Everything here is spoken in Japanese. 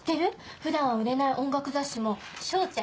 普段は売れない音楽雑誌も彰ちゃん